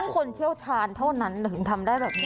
คนเชี่ยวชาญเท่านั้นถึงทำได้แบบนี้